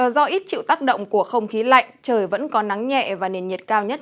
do ít chịu tác động của không khí lạnh trời vẫn có nắng nhẹ và nền nhiệt cao nhất